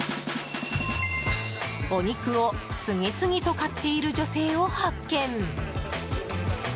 お肉を次々と買っている女性を発見。